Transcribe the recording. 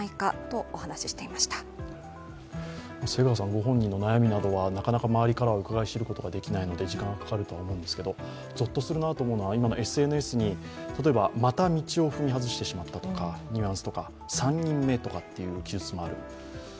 御本人の悩みなどはなかなか周りからはうかがい知ることができないので、時間がかかると思うんですが、ぞっとするなと思うのは今のＳＮＳに、また道を外してしまったというニュアンスとか、３人目という記述もある。